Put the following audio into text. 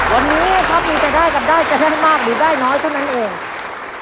วันนี้นะครับมีแต่ได้กับได้จะให้มากหรือได้น้อยเท่านั้นเอง